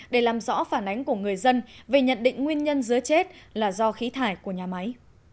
để làm rõ phản ánh của người dân về nhận định nguyên nhân dứa chết là do khí thải của nhà máy